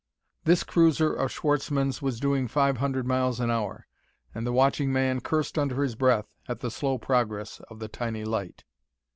This cruiser of Schwartzmann's was doing five hundred miles an hour and the watching man cursed under his breath at the slow progress of the tiny light.